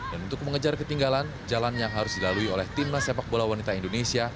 dan untuk mengejar ketinggalan jalan yang harus dilalui oleh tim nas sepak bola wanita indonesia